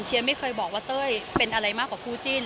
ไม่เคยบอกว่าเต้ยเป็นอะไรมากกว่าคู่จิ้น